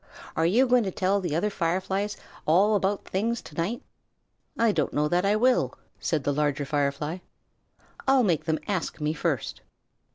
"Are you going to tell the other Fireflies all about things to night?" "I don't know that I will," said the Larger Firefly. "I'll make them ask me first."